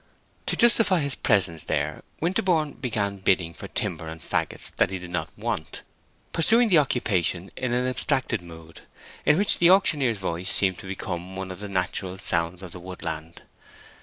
To justify his presence there Winterborne began bidding for timber and fagots that he did not want, pursuing the occupation in an abstracted mood, in which the auctioneer's voice seemed to become one of the natural sounds of the woodland.